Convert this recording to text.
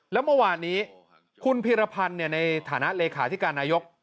แล้วเมื่อวานนี้คุณพีรพันธ์ในฐานะเลขาธิการนายก